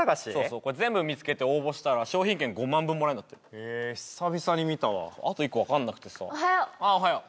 そうこれ全部見つけて応募したら商品券５万分もらえるんだってへえ久々に見たわあと１個分かんなくてさおはよう